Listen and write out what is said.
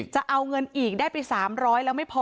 จะเอาเงินอีกได้ไป๓๐๐แล้วไม่พอ